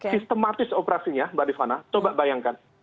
sistematis operasinya mbak rifana coba bayangkan